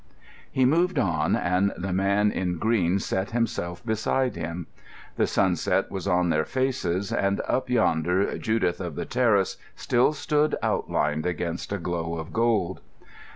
He moved on, and the man in green set himself beside him. The sunset was on their faces, and up yonder Judith of the Terrace still stood outlined against a glow of gold.